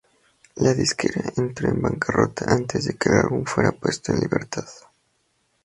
La disquera entró en bancarrota antes de que el álbum fuera puesto en libertad.